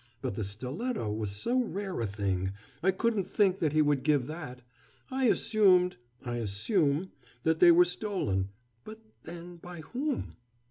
But the stiletto was so rare a thing I couldn't think that he would give that. I assumed I assume that they were stolen. But, then, by whom?"